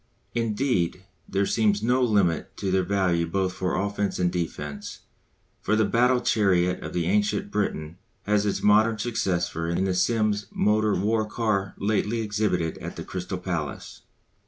Indeed, there seems no limit to their value both for offence and defence, for the battle chariot of the ancient Briton has its modern successor in the Simms' motor war car lately exhibited at the Crystal Palace.